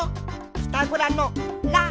ピタゴラの「ラ」。